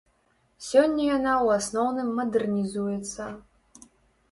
Сёння яна ў асноўным мадэрнізуецца.